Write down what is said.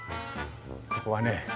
「ここはね